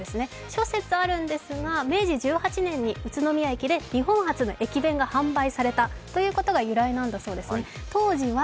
諸説あるんですが、明治１８年に宇都宮駅で日本初の駅弁が販売されたということが由来なんだそうです。